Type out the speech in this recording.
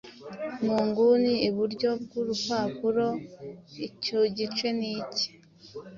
mu nguni, iburyo bw’urupapuro. Icyo gice ni iki: